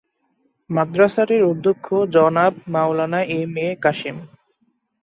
মাদ্রাসাটির অধ্যক্ষ জনাব মাওলানা M A Kashem.